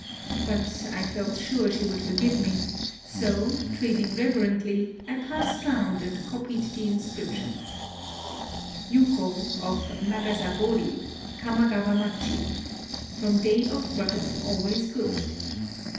But I felt sure she would forgive me ; so, treading reverently, I passed round, and copied the inscription :" Yuho^ of Nagasagori^ Kamagav^amacM ... from day of hirtTi ahoays good